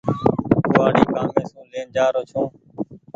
ڪوُوآڙي ڪآمي سون لين جآرو ڇون ۔